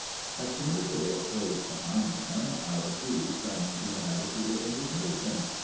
As soon as the door closed behind him Aristide sprang into an attitude of indignation.